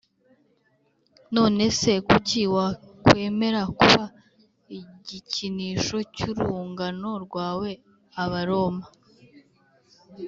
None se kuki wakwemera kuba igikinisho cy urungano rwawe Abaroma